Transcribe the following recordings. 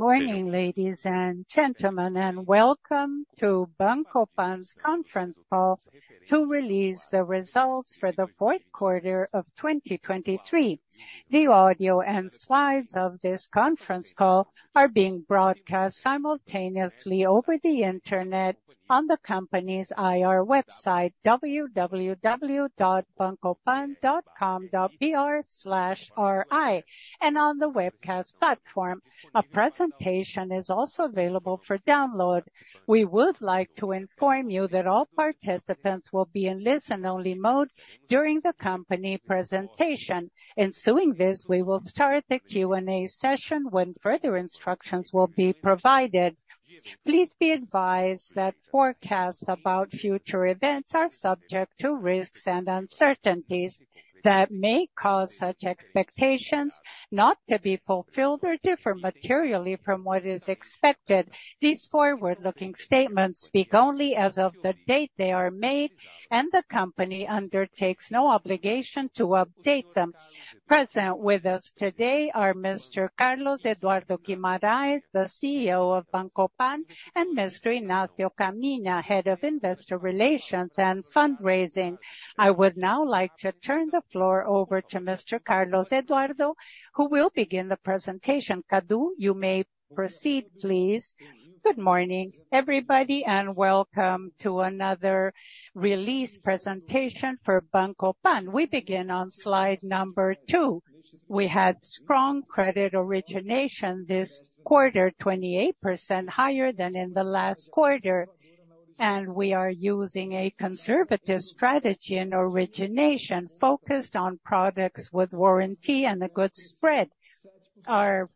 Good morning, ladies and gentlemen, and welcome to Banco PAN's conference call to release the results for the fourth quarter of 2023. The audio and slides of this conference call are being broadcast simultaneously over the Internet on the company's IR website, www.bancopan.com.br/ri, and on the webcast platform. A presentation is also available for download. We would like to inform you that all participants will be in listen-only mode during the company presentation. Ensuing this, we will start the Q&A session, when further instructions will be provided. Please be advised that forecasts about future events are subject to risks and uncertainties that may cause such expectations not to be fulfilled or differ materially from what is expected. These forward-looking statements speak only as of the date they are made, and the company undertakes no obligation to update them. Present with us today are Mr. Carlos Eduardo Guimarães, the CEO of Banco PAN, and Mr. Inácio Caminha, Head of Investor Relations and Fundraising. I would now like to turn the floor over to Mr. Carlos Eduardo, who will begin the presentation. Cadu, you may proceed, please. Good morning, everybody, and welcome to another release presentation for Banco PAN. We begin on slide number 2. We had strong credit origination this quarter, 28% higher than in the last quarter, and we are using a conservative strategy in origination, focused on products with warranty and a good spread. Our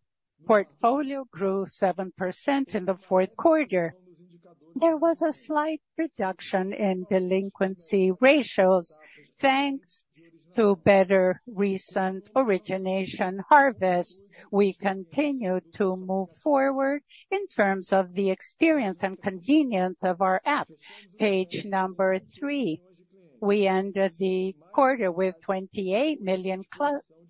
portfolio grew 7% in the fourth quarter. There was a slight reduction in delinquency ratios, thanks to better recent origination harvest. We continued to move forward in terms of the experience and convenience of our app. Page number 3: We ended the quarter with 28 million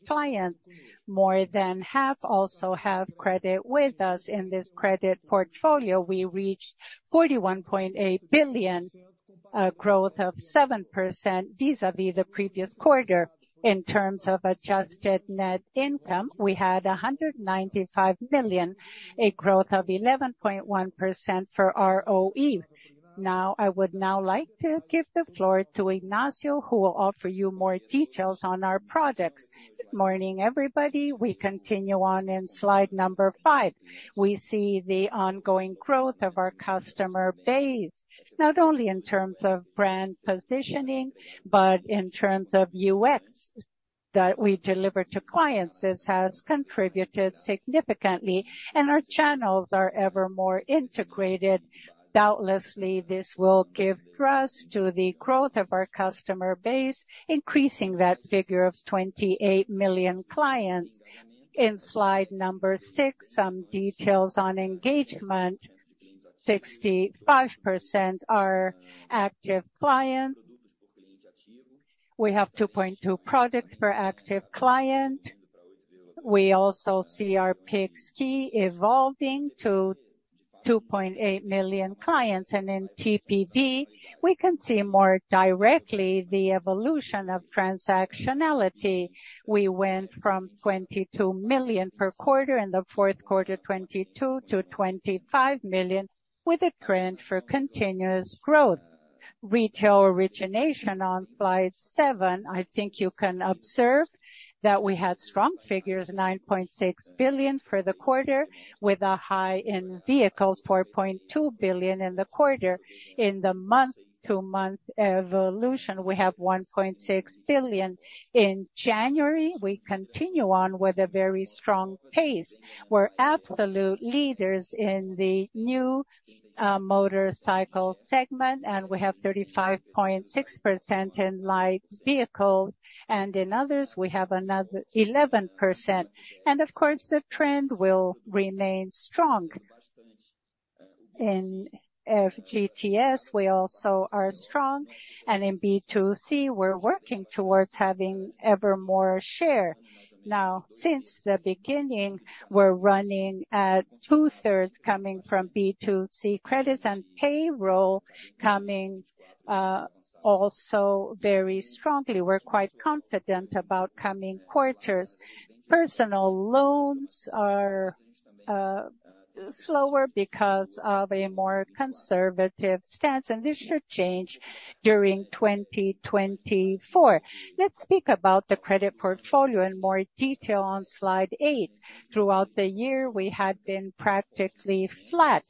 clients. More than half also have credit with us. In this credit portfolio, we reached 41.8 billion, a growth of 7% vis-a-vis the previous quarter. In terms of adjusted net income, we had 195 million, a growth of 11.1% for ROE. Now, I would now like to give the floor to Inácio, who will offer you more details on our products. Good morning, everybody. We continue on in slide number 5. We see the ongoing growth of our customer base, not only in terms of brand positioning, but in terms of UX that we deliver to clients. This has contributed significantly, and our channels are ever more integrated. Doubtlessly, this will give thrust to the growth of our customer base, increasing that figure of 28 million clients. In slide number 6, some details on engagement. 65% are active clients. We have 2.2 products per active client. We also see our Pix key evolving to 2.8 million clients, and in TPV, we can see more directly the evolution of transactionality. We went from 22 million per quarter in the fourth quarter 2022 to 25 million, with a trend for continuous growth. Retail origination on slide seven, I think you can observe that we had strong figures, 9.6 billion for the quarter, with a high in vehicles, 4.2 billion in the quarter. In the month-to-month evolution, we have 1.6 billion. In January, we continue on with a very strong pace. We're absolute leaders in the new, motorcycle segment, and we have 35.6% in light vehicles, and in others, we have another 11%. And of course, the trend will remain strong. In FGTS, we also are strong, and in B2C, we're working towards having ever more share. Now, since the beginning, we're running at two-thirds, coming from B2C credits and payroll coming also very strongly. We're quite confident about coming quarters. Personal loans are slower because of a more conservative stance, and this should change during 2024. Let's speak about the credit portfolio in more detail on slide 8. Throughout the year, we had been practically flat.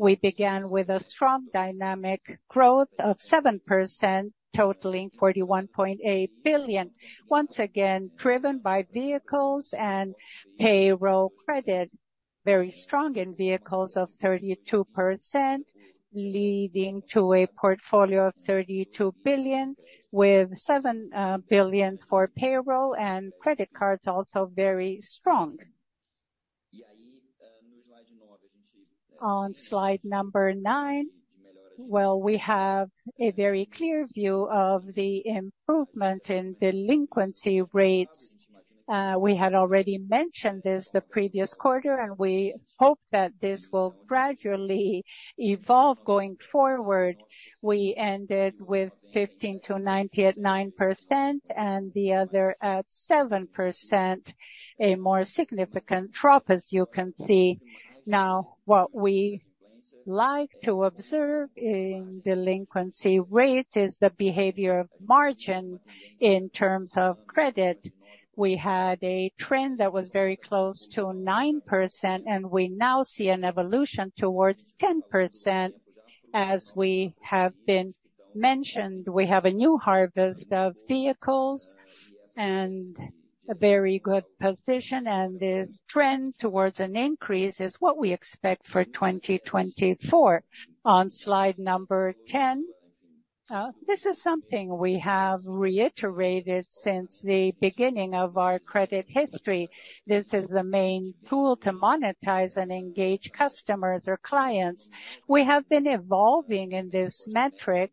We began with a strong dynamic growth of 7%, totaling 41.8 billion, once again, driven by vehicles and payroll credit. Very strong in vehicles of 32%, leading to a portfolio of 32 billion, with 7 billion for payroll and credit cards, also very strong. On slide number 9. Well, we have a very clear view of the improvement in delinquency rates. We had already mentioned this the previous quarter, and we hope that this will gradually evolve going forward. We ended with 15-90 at 9%, and the other at 7%, a more significant drop, as you can see. Now, what we like to observe in delinquency rate is the behavior of margin in terms of credit. We had a trend that was very close to 9%, and we now see an evolution towards 10%. As we have mentioned, we have a new vintage of vehicles and a very good position, and the trend towards an increase is what we expect for 2024. On slide 10, this is something we have reiterated since the beginning of our credit history. This is the main tool to monetize and engage customers or clients. We have been evolving in this metric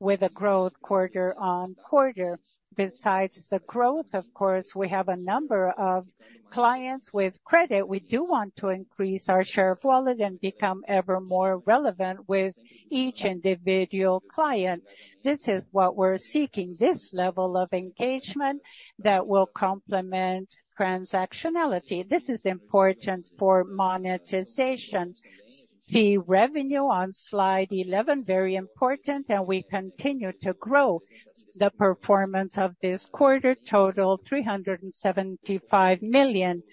with a growth quarter-on-quarter. Besides the growth, of course, we have a number of clients with credit. We do want to increase our share of wallet and become ever more relevant with each individual client. This is what we're seeking, this level of engagement that will complement transactionality. This is important for monetization. The revenue on slide 11, very important, and we continue to grow. The performance of this quarter, total 375 million.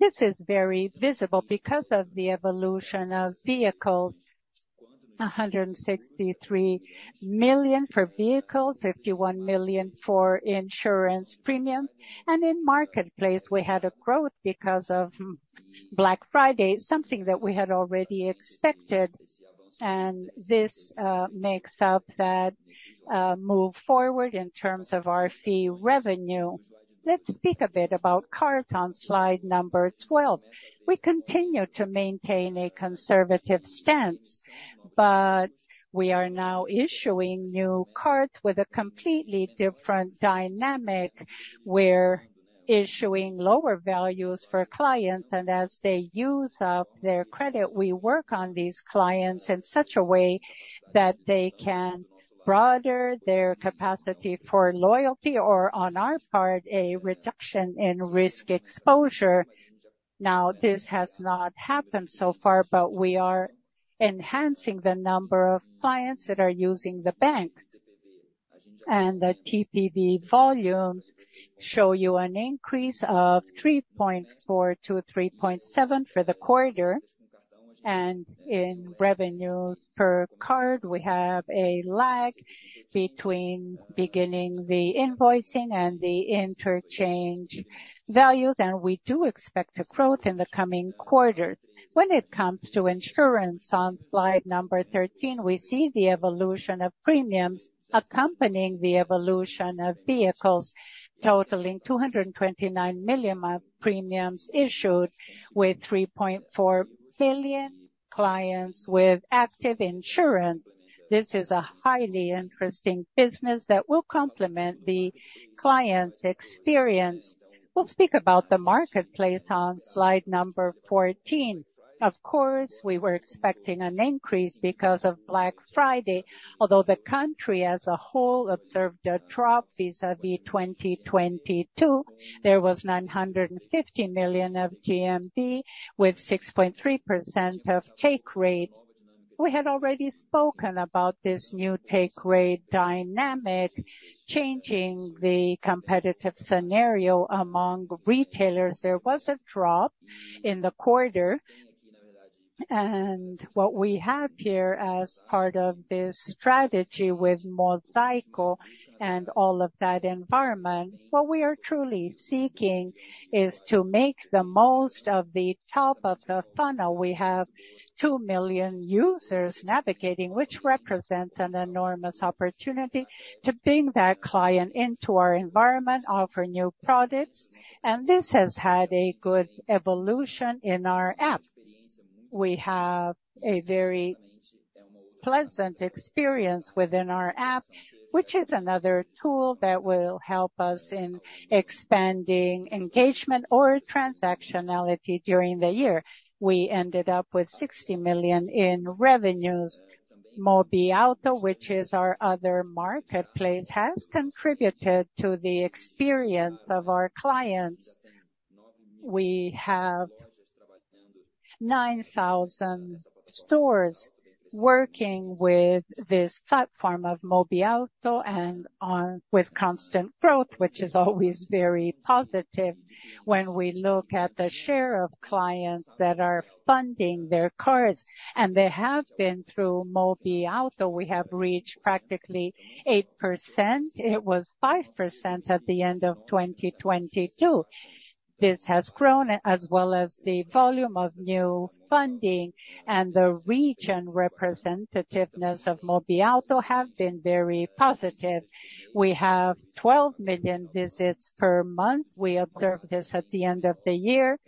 This is very visible because of the evolution of vehicles. 163 million for vehicles, 51 million for insurance premiums, and in marketplace, we had a growth because of Black Friday, something that we had already expected, and this makes up that move forward in terms of our fee revenue. Let's speak a bit about cards on slide number 12. We continue to maintain a conservative stance, but we are now issuing new cards with a completely different dynamic. We're issuing lower values for clients, and as they use up their credit, we work on these clients in such a way that they can broaden their capacity for loyalty, or on our part, a reduction in risk exposure. Now, this has not happened so far, but we are enhancing the number of clients that are using the bank. And the TPV volume show you an increase of 3.4-3.7 for the quarter, and in revenue per card, we have a lag between beginning the invoicing and the interchange value, then we do expect a growth in the coming quarter. When it comes to insurance on slide number 13, we see the evolution of premiums accompanying the evolution of vehicles, totaling 229 million of premiums issued, with 3.4 billion clients with active insurance. This is a highly interesting business that will complement the client's experience. We'll speak about the marketplace on slide number 14. Of course, we were expecting an increase because of Black Friday, although the country as a whole observed a drop vis-à-vis 2022. There was 950 million of GMV, with 6.3% of take rate. We had already spoken about this new take rate dynamic, changing the competitive scenario among retailers. There was a drop in the quarter, and what we have here as part of this strategy with Mosaico and all of that environment, what we are truly seeking is to make the most of the top of the funnel. We have 2 million users navigating, which represents an enormous opportunity to bring that client into our environment, offer new products, and this has had a good evolution in our app. We have a very pleasant experience within our app, which is another tool that will help us in expanding engagement or transactionality during the year. We ended up with 60 million in revenues. Mobiauto, which is our other marketplace, has contributed to the experience of our clients. We have 9,000 stores working with this platform of Mobiauto and with constant growth, which is always very positive. When we look at the share of clients that are funding their cards, and they have been through Mobiauto, we have reached practically 8%. It was 5% at the end of 2022. This has grown, as well as the volume of new funding and the region representativeness of Mobiauto have been very positive. We have 12 million visits per month. We observed this at the end of the year.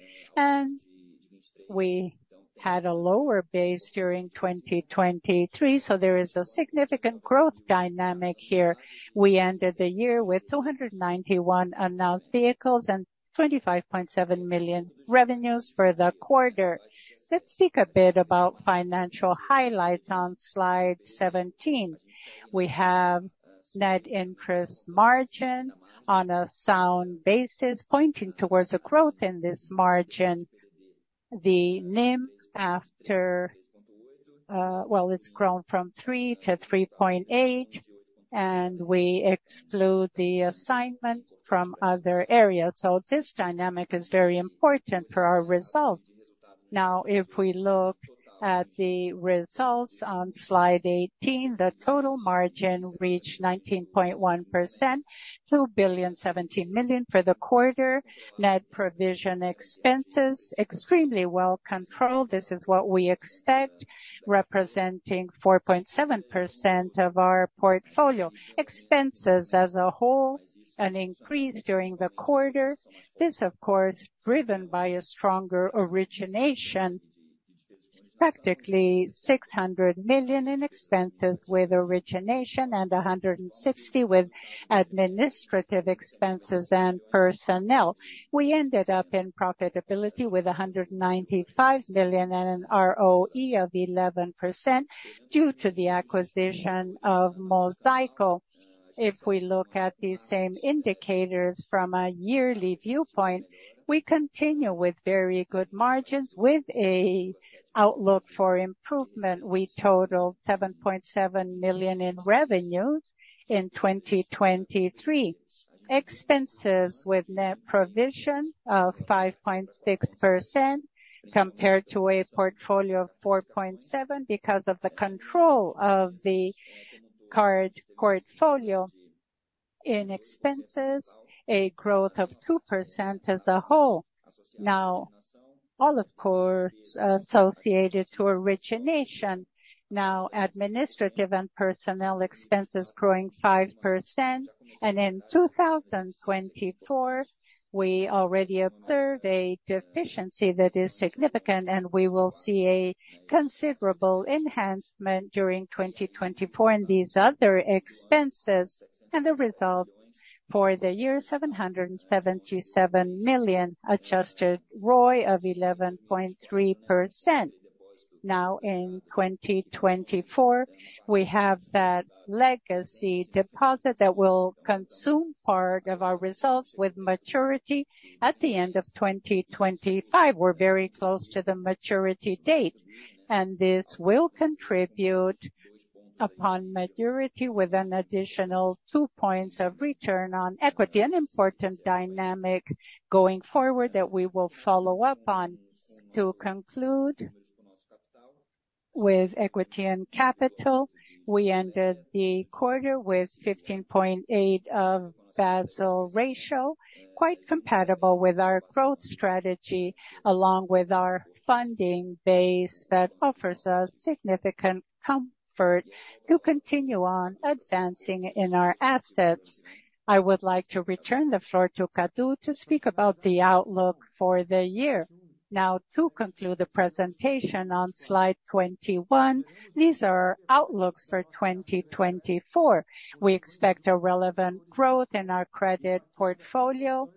We had a lower base during 2023, so there is a significant growth dynamic here. We ended the year with 291 announced vehicles and 25.7 million revenues for the quarter. Let's speak a bit about financial highlights on slide 17. We have net interest margin on a sound basis, pointing towards a growth in this margin. The NIM after, it's grown from 3 to 3.8, and we exclude the assignment from other areas. So this dynamic is very important for our result. Now, if we look at the results on slide 18, the total margin reached 19.1%, 2.017 billion for the quarter. Net provision expenses, extremely well controlled. This is what we expect, representing 4.7% of our portfolio. Expenses as a whole, an increase during the quarter. This, of course, driven by a stronger origination, practically 600 million in expenses with origination and 160 million with administrative expenses and personnel. We ended up in profitability with 195 million and an ROE of 11% due to the acquisition of Mosaico. If we look at these same indicators from a yearly viewpoint, we continue with very good margins. With an outlook for improvement, we totaled 7.7 million in revenues in 2023. Expenses with net provision of 5.6% compared to a portfolio of 4.7 because of the control of the card portfolio. In expenses, a growth of 2% as a whole. Now, all, of course, associated to origination. Now, administrative and personnel expenses growing 5%, and in 2024, we already observe a deficiency that is significant, and we will see a considerable enhancement during 2024 in these other expenses. And the result for the year, 777 million, adjusted ROI of 11.3%. Now, in 2024, we have that legacy deposit that will consume part of our results with maturity. At the end of 2025, we're very close to the maturity date, and this will contribute upon maturity with an additional 2 points of return on equity, an important dynamic going forward that we will follow up on. To conclude, with equity and capital, we ended the quarter with 15.8 of Basel ratio, quite compatible with our growth strategy, along with our funding base, that offers us significant comfort to continue on advancing in our assets. I would like to return the floor to Cadu to speak about the outlook for the year. Now, to conclude the presentation on slide 21, these are our outlooks for 2024. We expect a relevant growth in our credit portfolio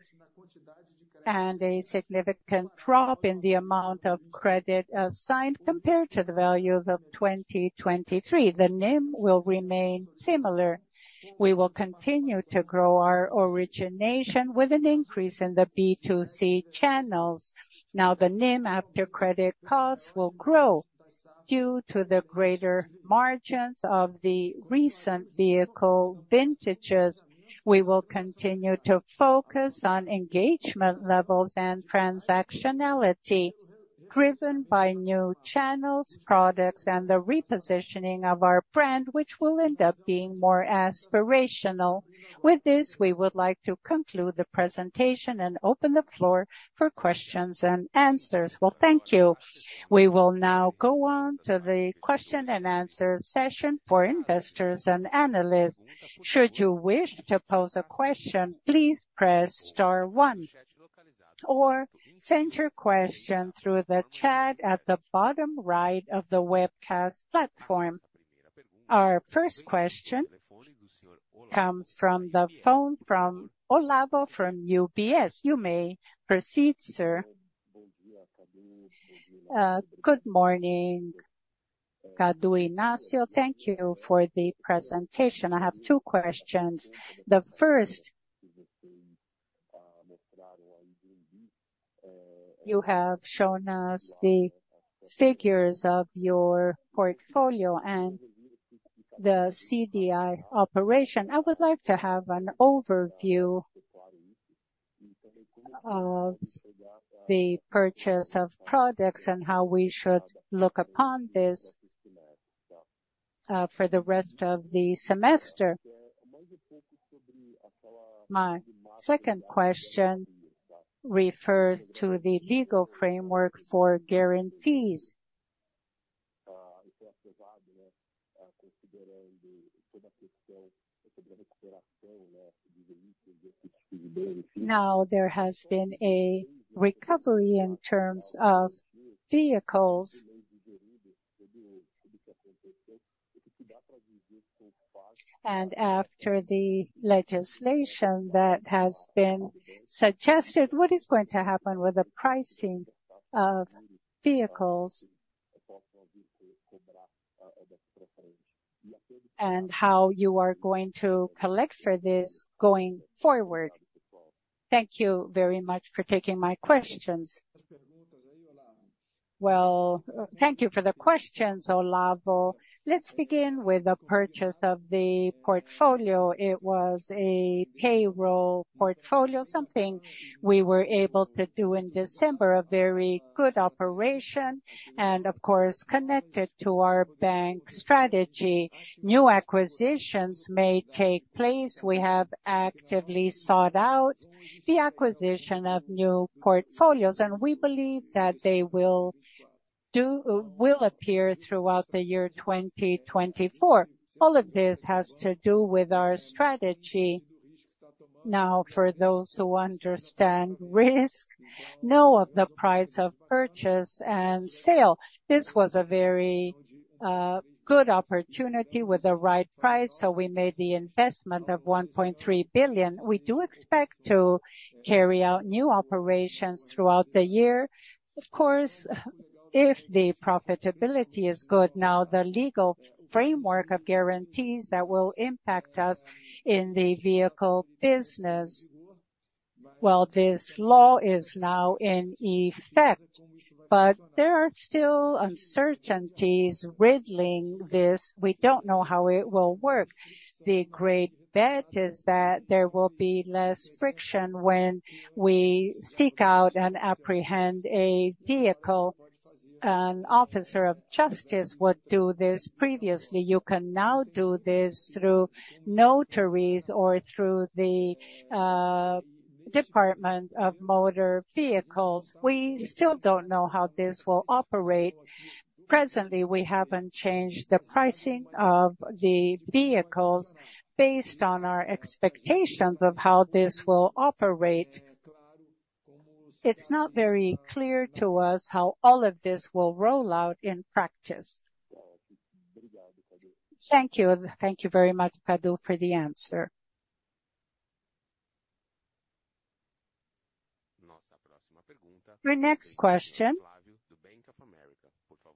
and a significant drop in the amount of credit assigned compared to the values of 2023. The NIM will remain similar. We will continue to grow our origination with an increase in the B2C channels. Now, the NIM, after credit costs, will grow due to the greater margins of the recent vehicle vintages. We will continue to focus on engagement levels and transactionality driven by new channels, products, and the repositioning of our brand, which will end up being more aspirational. With this, we would like to conclude the presentation and open the floor for questions and answers. Well, thank you. We will now go on to the question and answer session for investors and analysts. Should you wish to pose a question, please press star one, or send your question through the chat at the bottom right of the webcast platform. Our first question comes from the phone from Olavo from UBS. You may proceed, sir. Good morning, Cadu, Inácio. Thank you for the presentation. I have two questions. The first, you have shown us the figures of your portfolio and the CDI operation. I would like to have an overview of the purchase of products and how we should look upon this, for the rest of the semester. My second question refers to the legal framework for guarantees. Now, there has been a recovery in terms of vehicles. And after the legislation that has been suggested, what is going to happen with the pricing of vehicles? And how you are going to collect for this going forward? Thank you very much for taking my questions. Well, thank you for the questions, Olavo. Let's begin with the purchase of the portfolio. It was a payroll portfolio, something we were able to do in December, a very good operation and of course, connected to our bank strategy. New acquisitions may take place. We have actively sought out the acquisition of new portfolios, and we believe that they will appear throughout the year 2024. All of this has to do with our strategy. Now, for those who understand risk, know of the price of purchase and sale. This was a very good opportunity with the right price, so we made the investment of 1.3 billion. We do expect to carry out new operations throughout the year. Of course, if the profitability is good, now, the legal framework of guarantees that will impact us in the vehicle business. Well, this law is now in effect, but there are still uncertainties riddling this. We don't know how it will work. The great bet is that there will be less friction when we seek out and apprehend a vehicle. An officer of justice would do this previously. You can now do this through notaries or through the Department of Motor Vehicles. We still don't know how this will operate. Presently, we haven't changed the pricing of the vehicles based on our expectations of how this will operate. It's not very clear to us how all of this will roll out in practice. Thank you. Thank you very much, Cadu, for the answer. Your next question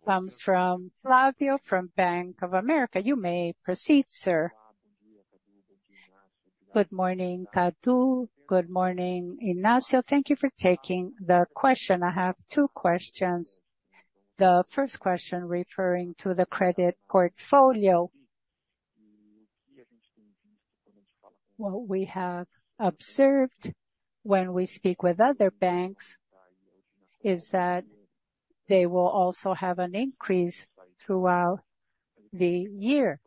comes from Flavio, from Bank of America. You may proceed, sir. Good morning, Cadu. Good morning, Inácio. Thank you for taking the question. I have two questions. The first question referring to the credit portfolio. What we have observed when we speak with other banks is that they will also have an increase throughout the year.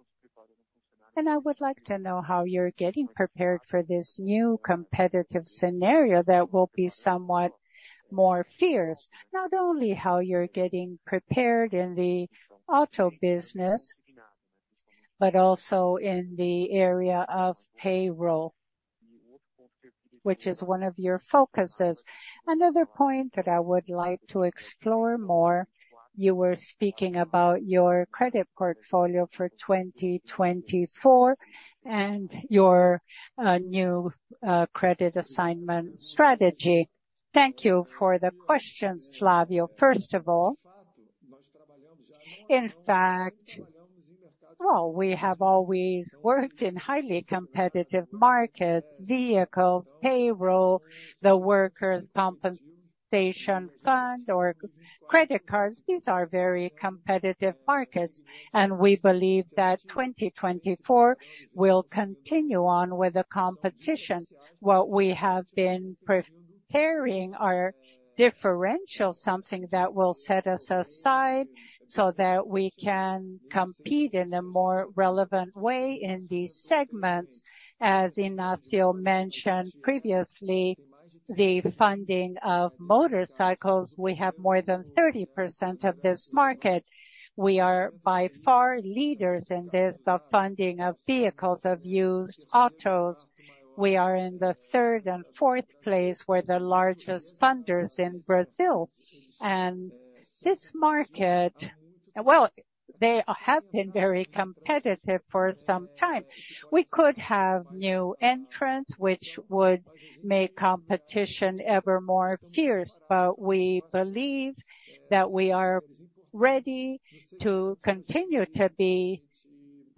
I would like to know how you're getting prepared for this new competitive scenario that will be somewhat more fierce, not only how you're getting prepared in the auto business, but also in the area of payroll, which is one of your focuses. Another point that I would like to explore more, you were speaking about your credit portfolio for 2024 and your new credit assignment strategy. Thank you for the questions, Flavio. First of all, in fact, well, we have always worked in highly competitive markets, vehicle, payroll, the Workers' Severance Fund, or credit cards. These are very competitive markets, and we believe that 2024 will continue on with the competition. What we have been preparing our differential, something that will set us aside so that we can compete in a more relevant way in these segments. As Inácio mentioned previously, the funding of motorcycles, we have more than 30% of this market. We are by far leaders in this, the funding of vehicles, of used autos. We are in the third and fourth place, we're the largest funders in Brazil. And this market, well, they have been very competitive for some time. We could have new entrants, which would make competition ever more fierce, but we believe that we are ready to continue to be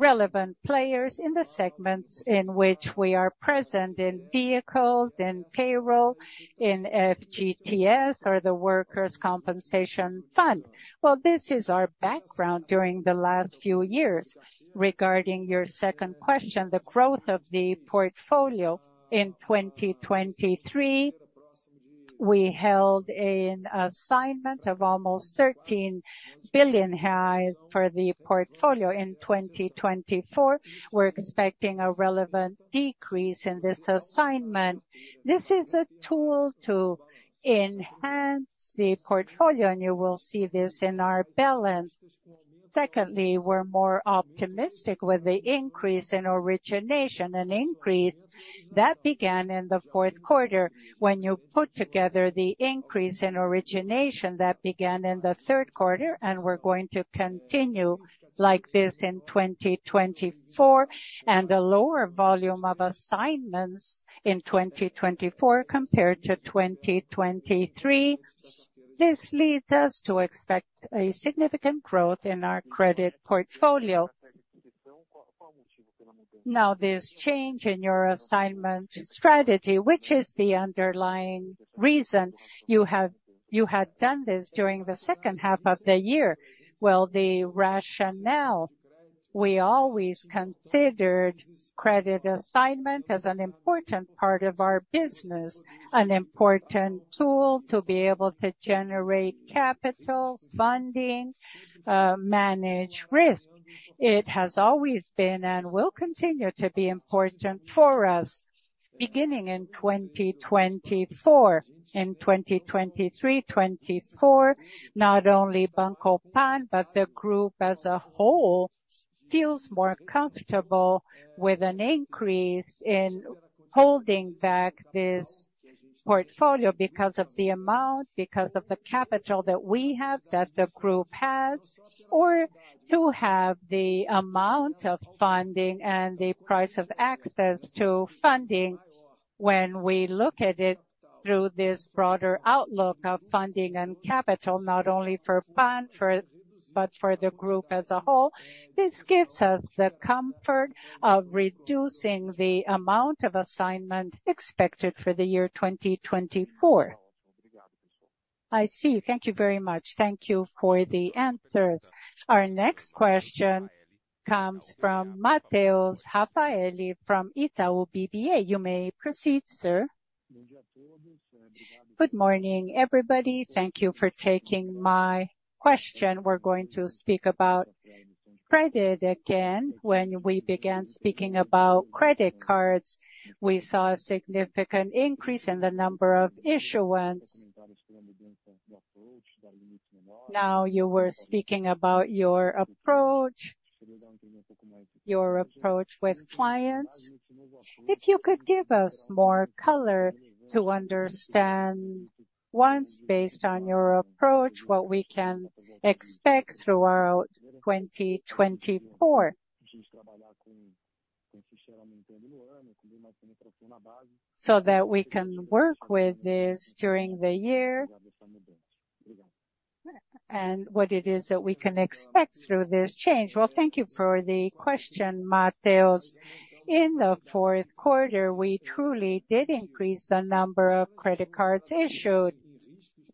relevant players in the segments in which we are present in vehicles, in payroll, in FGTS, or the Workers' Compensation Fund. Well, this is our background during the last few years. Regarding your second question, the growth of the portfolio. In 2023, we held an assignment of almost 13 billion for the portfolio. In 2024, we're expecting a relevant decrease in this assignment. This is a tool to enhance the portfolio, and you will see this in our balance.... secondly, we're more optimistic with the increase in origination, an increase that began in the fourth quarter. When you put together the increase in origination that began in the third quarter, and we're going to continue like this in 2024, and the lower volume of assignments in 2024 compared to 2023, this leads us to expect a significant growth in our credit portfolio. Now, this change in your assignment strategy, which is the underlying reason you have-- you had done this during the second half of the year? Well, the rationale, we always considered credit assignment as an important part of our business, an important tool to be able to generate capital, funding, manage risk.It has always been and will continue to be important for us, beginning in 2024. In 2023, 2024, not only Banco PAN, but the group as a whole, feels more comfortable with an increase in holding back this portfolio because of the amount, because of the capital that we have, that the group has, or to have the amount of funding and the price of access to funding. When we look at it through this broader outlook of funding and capital, not only for PAN, for, but for the group as a whole, this gives us the comfort of reducing the amount of assignment expected for the year 2024. I see. Thank you very much. Thank you for the answers. Our next question comes from Mateus Raffaelli from Itaú BBA. You may proceed, sir. Good morning, everybody. Thank you for taking my question. We're going to speak about credit again. When we began speaking about credit cards, we saw a significant increase in the number of issuance. Now, you were speaking about your approach, your approach with clients. If you could give us more color to understand once, based on your approach, what we can expect throughout 2024. So that we can work with this during the year, and what it is that we can expect through this change. Well, thank you for the question, Mateus. In the fourth quarter, we truly did increase the number of credit cards issued.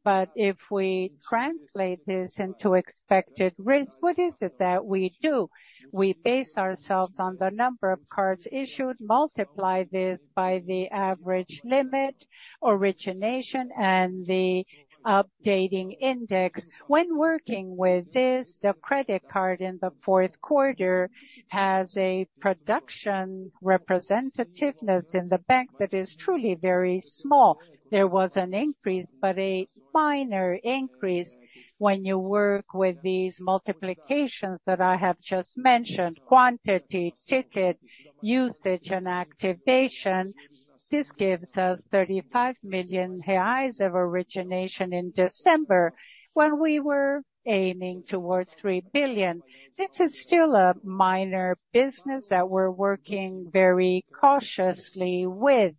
But if we translate this into expected risks, what is it that we do? We base ourselves on the number of cards issued, multiply this by the average limit, origination, and the updating index. When working with this, the credit card in the fourth quarter has a production representativeness in the bank that is truly very small. There was an increase, but a minor increase when you work with these multiplications that I have just mentioned, quantity, ticket, usage, and activation. This gives us 35 million reais of origination in December, when we were aiming towards 3 billion. This is still a minor business that we're working very cautiously with.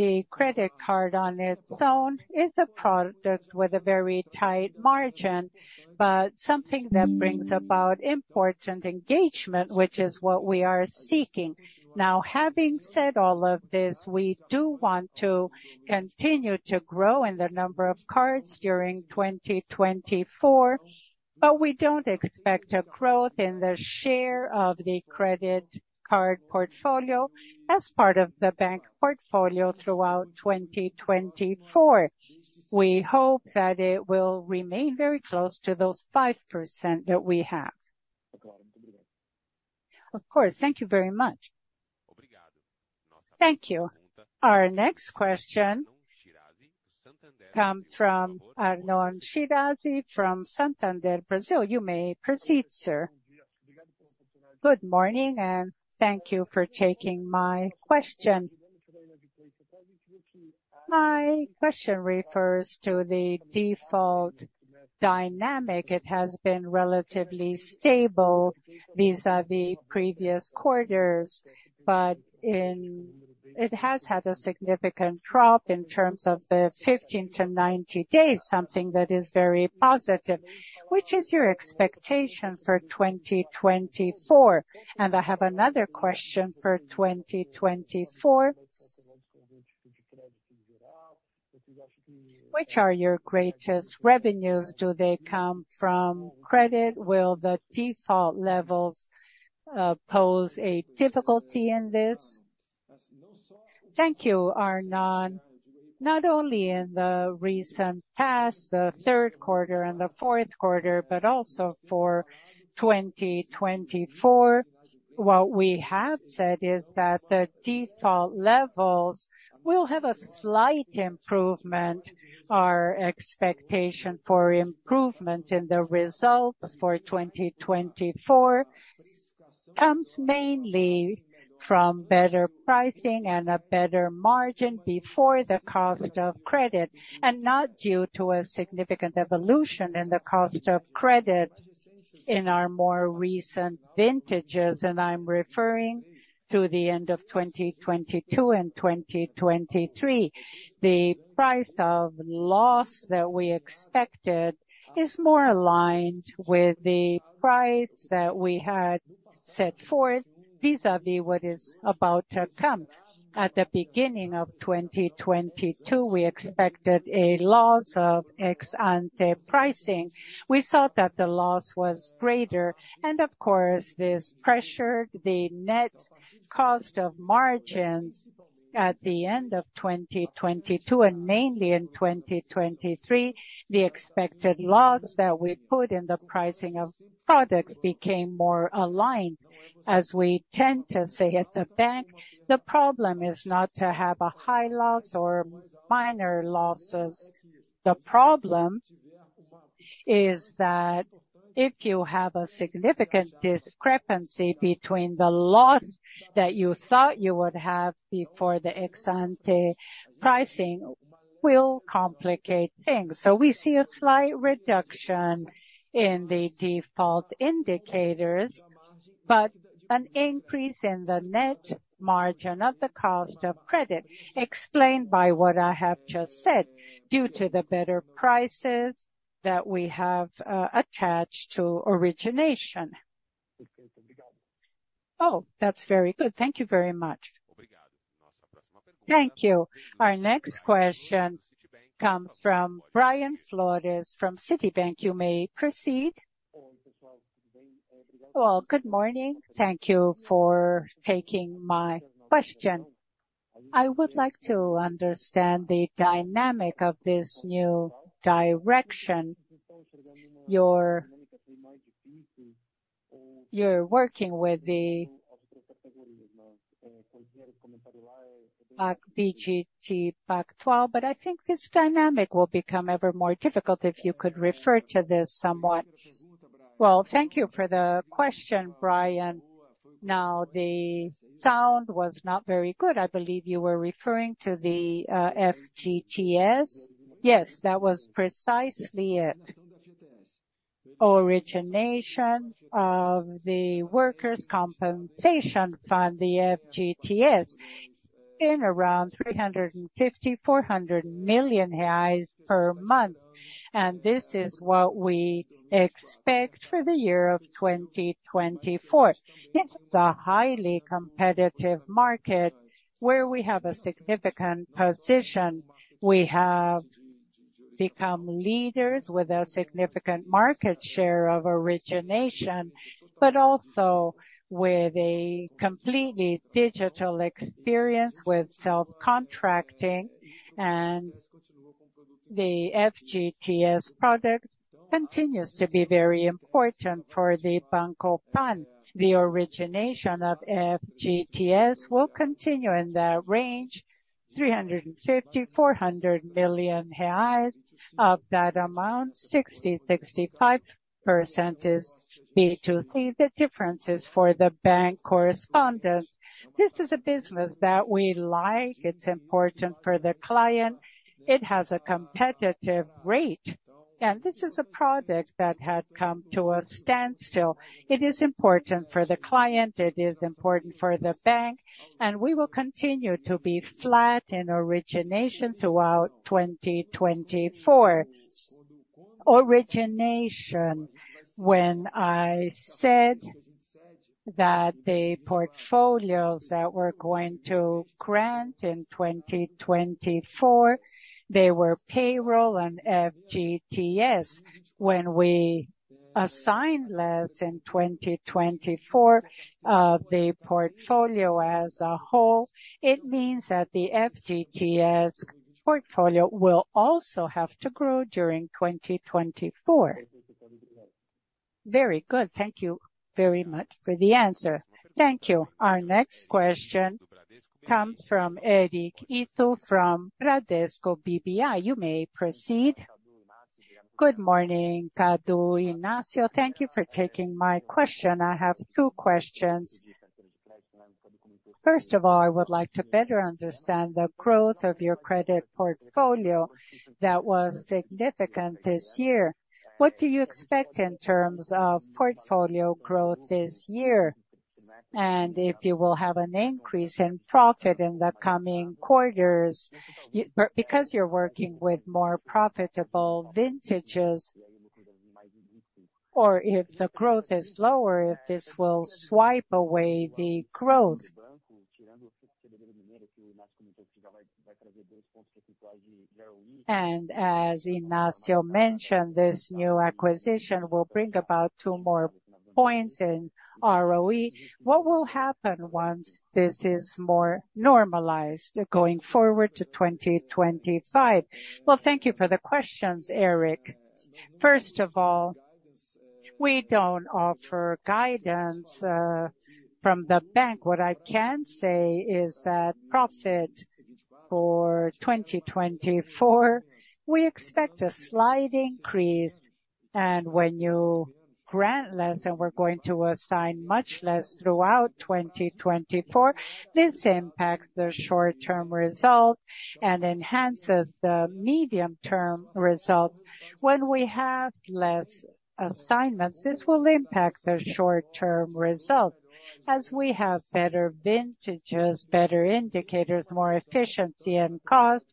The credit card on its own is a product with a very tight margin, but something that brings about important engagement, which is what we are seeking. Now, having said all of this, we do want to continue to grow in the number of cards during 2024, but we don't expect a growth in the share of the credit card portfolio as part of the bank portfolio throughout 2024. We hope that it will remain very close to those 5% that we have. Of course. Thank you very much. Thank you. Our next question comes from Arnon Shirazi, from Santander, Brazil. You may proceed, sir. Good morning, and thank you for taking my question. My question refers to the default dynamic. It has been relatively stable vis-a-vis previous quarters, but in it has had a significant drop in terms of the 15-90 days, something that is very positive. Which is your expectation for 2024? And I have another question for 2024. Which are your greatest revenues? Do they come from credit? Will the default levels pose a difficulty in this? Thank you, Arnon. Not only in the recent past, the third quarter and the fourth quarter, but also for 2024, what we have said is that the default levels will have a slight improvement. Our expectation for improvement in the results for 2024 comes mainly from better pricing and a better margin before the cost of credit, and not due to a significant evolution in the cost of credit in our more recent vintages, and I'm referring to the end of 2022 and 2023. The price of loss that we expected is more aligned with the price that we had set forth, vis-à-vis what is about to come. At the beginning of 2022, we expected a loss of ex-ante pricing. We thought that the loss was greater, and of course, this pressured the net cost of margins at the end of 2022, and mainly in 2023, the expected loss that we put in the pricing of products became more aligned. As we tend to say at the bank, the problem is not to have a high loss or minor losses. The problem is that if you have a significant discrepancy between the loss that you thought you would have before the ex-ante pricing, will complicate things. So we see a slight reduction in the default indicators, but an increase in the net margin of the cost of credit, explained by what I have just said, due to the better prices that we have attached to origination. Oh, that's very good. Thank you very much. Thank you. Our next question comes from Brian Flores, from Citibank. You may proceed. Well, good morning. Thank you for taking my question. I would like to understand the dynamic of this new direction. You're working with the FGTS, Pac Twelve, but I think this dynamic will become ever more difficult, if you could refer to this somewhat. Well, thank you for the question, Brian. Now, the sound was not very good. I believe you were referring to the FGTS? Yes, that was precisely it. Origination of the Workers' Compensation Fund, the FGTS, in around 350 million-400 million reais per month, and this is what we expect for the year of 2024. It's a highly competitive market where we have a significant position. We have become leaders with a significant market share of origination, but also with a completely digital experience with self-contracting, and the FGTS product continues to be very important for the Banco PAN. The origination of FGTS will continue in that range, 350 million-400 million reais. Of that amount, 65% is B2C. The difference is for the bank correspondent. This is a business that we like. It's important for the client. It has a competitive rate, and this is a product that had come to a standstill. It is important for the client, it is important for the bank, and we will continue to be flat in origination throughout 2024. Origination, when I said that the portfolios that we're going to grant in 2024, they were payroll and FGTS. When we assign loans in 2024, the portfolio as a whole, it means that the FGTS portfolio will also have to grow during 2024. Very good. Thank you very much for the answer. Thank you. Our next question comes from Eric Ito, from Bradesco BBI. You may proceed. Good morning, Cadu, Inácio. Thank you for taking my question. I have two questions. First of all, I would like to better understand the growth of your credit portfolio that was significant this year. What do you expect in terms of portfolio growth this year? And if you will have an increase in profit in the coming quarters, but because you're working with more profitable vintages, or if the growth is lower, if this will wipe away the growth. And as Inácio mentioned, this new acquisition will bring about two more points in ROE. What will happen once this is more normalized, going forward to 2025? Well, thank you for the questions, Eric. First of all, we don't offer guidance from the bank. What I can say is that profit for 2024, we expect a slight increase. When you grant less, and we're going to assign much less throughout 2024, this impacts the short-term result and enhances the medium-term result. When we have less assignments, this will impact the short-term result. As we have better vintages, better indicators, more efficiency and costs,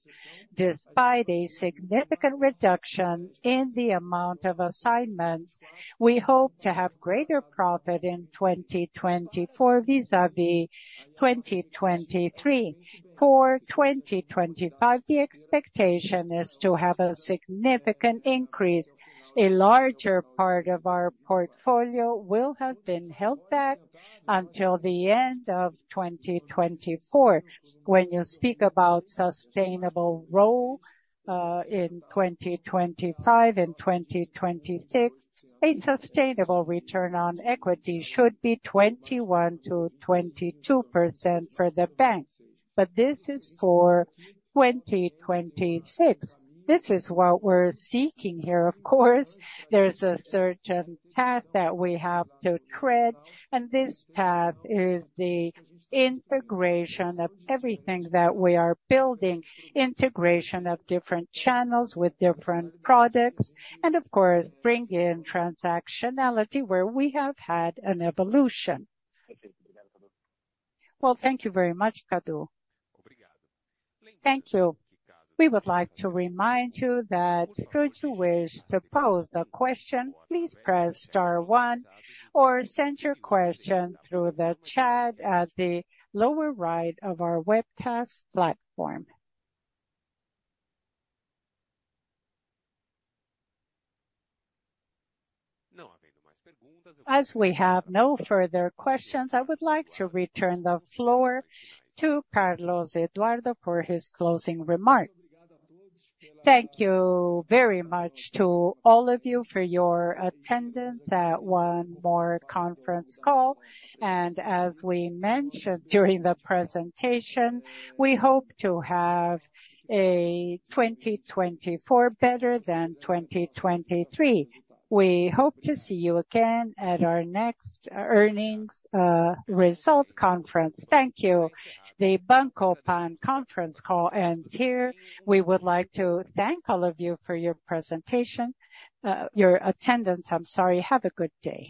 despite a significant reduction in the amount of assignments, we hope to have greater profit in 2024, vis-à-vis 2023. For 2025, the expectation is to have a significant increase. A larger part of our portfolio will have been held back until the end of 2024. When you speak about sustainable ROE in 2025 and 2026, a sustainable return on equity should be 21%-22% for the bank, but this is for 2026. This is what we're seeking here. Of course, there's a certain path that we have to tread, and this path is the integration of everything that we are building, integration of different channels with different products, and of course, bring in transactionality where we have had an evolution. Well, thank you very much, Cadu. Thank you. We would like to remind you that should you wish to pose the question, please press star one or send your question through the chat at the lower right of our webcast platform. As we have no further questions, I would like to return the floor to Carlos Eduardo for his closing remarks. Thank you very much to all of you for your attendance at one more conference call, and as we mentioned during the presentation, we hope to have a 2024 better than 2023. We hope to see you again at our next earnings result conference. Thank you. the Banco PAN conference call ends here. We would like to thank all of you for your presentation, your attendance, I'm sorry. Have a good day.